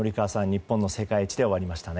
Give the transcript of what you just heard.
日本の世界一で終わりましたね。